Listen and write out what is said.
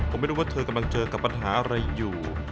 ผมไม่รู้ว่าเธอกำลังเจอกับปัญหาอะไรอยู่